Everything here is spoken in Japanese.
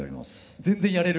全然やれる？